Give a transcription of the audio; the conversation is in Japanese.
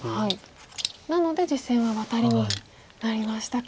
なので実戦はワタリになりましたか。